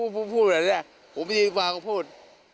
พูดแบบนี้ผมไม่ได้ยินความพูด